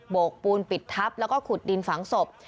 โบกบูลปิดทับและขุดดินฝังสบ